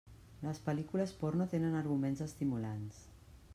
Les pel·lícules porno tenen arguments estimulants.